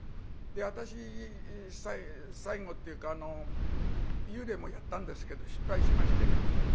私最後っていうか幽霊もやったんですけど失敗しましてね。